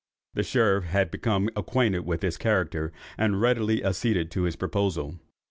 The sheriff had become acquainted with his character, and readily acceded to his proposal.